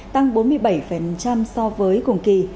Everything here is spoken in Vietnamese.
tăng bốn mươi bảy so với cùng kỳ